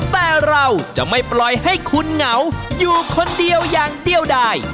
แต่เราจะไม่ปล่อยให้คุณเหงาอยู่คนเดียวอย่างเดียวได้